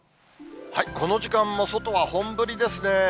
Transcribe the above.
この時間も外は本降りですね。